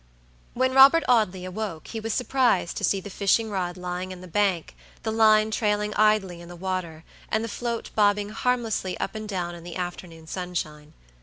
When Robert Audley awoke he was surprised to see the fishing rod lying on the bank, the line trailing idly in the water, and the float bobbing harmlessly up and down in the afternoon sunshine.